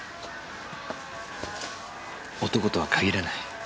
男とは限らない。